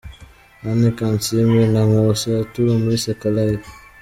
Anne Kansiime na Nkusi Arthur muri Seka Live.